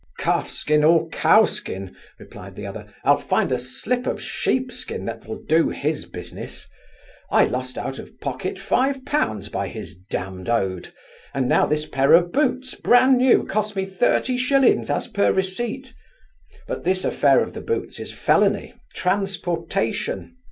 'Calf skin or cow skin (replied the other) I'll find a slip of sheep skin that will do his business I lost twenty pounds by his farce which you persuaded me to buy I am out of pocket five pounds by his damn'd ode; and now this pair of boots, bran new, cost me thirty shillings, as per receipt But this affair of the boots is felony transportation.